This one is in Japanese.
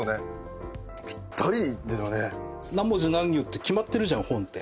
何文字何行って決まってるじゃん本って。